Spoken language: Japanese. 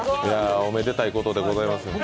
おめでたいことでございます。